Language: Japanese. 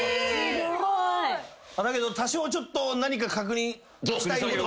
だけど多少ちょっと何か確認したいことがあったと。